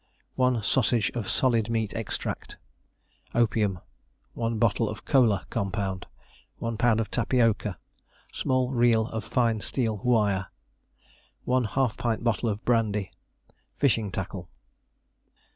1 sausage of solid meat extract. Opium. 1 bottle of "Kola" compound. 1 lb. tapioca. Small reel of fine steel wire. One ½ pint bottle of brandy. Fishing tackle.